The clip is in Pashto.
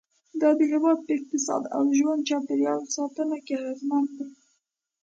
دا د هېواد په اقتصاد او د ژوند چاپېریال ساتنه کې اغیزمن دي.